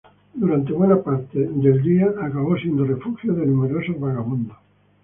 Durante buena parte del día acabó siendo refugio de numerosos vagabundos.